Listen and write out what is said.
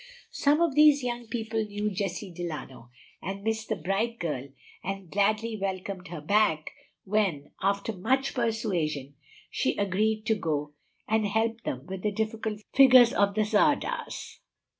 Some of these young people knew Jessie Delano, had missed the bright girl, and gladly welcomed her back when, after much persuasion, she agreed to go and help them with the difficult figures of the tzardas.